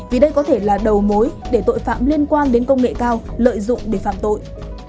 vì đây có thể là đầu mối để tội phạm liên quan đến công nghệ cao lợi dụng để phạm tội